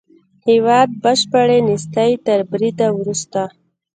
هېواد بشپړې نېستۍ تر بريده ورسېد.